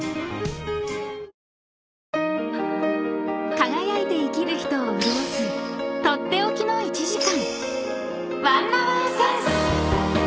［輝いて生きる人を潤す取って置きの１時間］